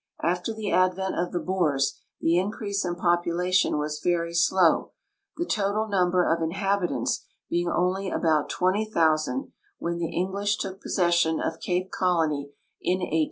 After the advent of the Boers the increase in j)opulation was very slow, the total number of inhabitants being only about twenty thou sand when the English took possession of Cape Colony in ISOO.